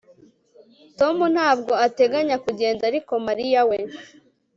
Tom ntabwo ateganya kugenda ariko Mariya we